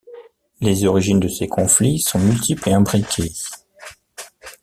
Les origines de ces conflits sont multiples et imbriquées.